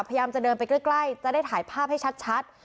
พยายามจะเดินไปใกล้จะได้ถ่ายภาพให้ชัด